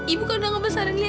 ibu kan udah ngebesarin lia